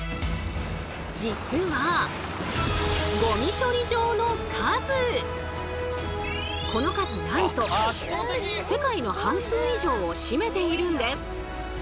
実はこの数なんと世界の半数以上を占めているんです。